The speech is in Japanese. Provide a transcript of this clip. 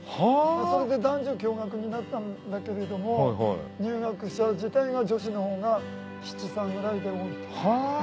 それで男女共学になったんだけれども入学者自体が女子の方が７：３ぐらいで多いと。